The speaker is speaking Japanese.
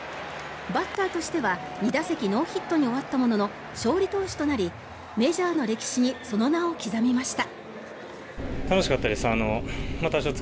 バッターとしては２打席ノーヒットに終わったものの勝利投手となりメジャーの歴史にその名を刻みました。